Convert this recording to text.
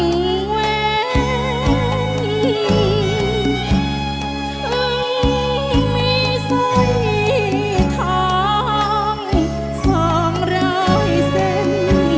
ถึงมีสีท้องสองร้อยเส้น